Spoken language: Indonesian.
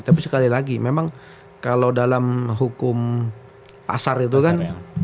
tapi sekali lagi memang kalau dalam hukum pasar itu kan